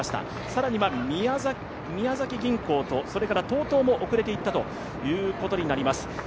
更には宮崎銀行とＴＯＴＯも遅れていったということになります。